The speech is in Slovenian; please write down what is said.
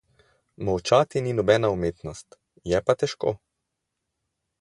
Molčati ni nobena umetnost, je pa težko.